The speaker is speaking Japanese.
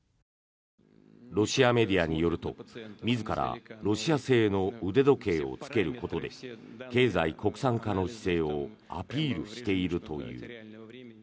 ロシアメディアによると自らロシア製の腕時計を着けることで経済国産化の姿勢をアピールしているという。